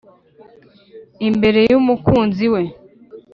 imbere y’umukunzi we